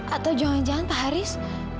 atau jangan jangan pak haris